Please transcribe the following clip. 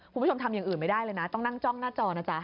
คุณผู้ชมทำอย่างอื่นไม่ได้เลยนะต้องนั่งจ้องหน้าจอนะจ๊ะ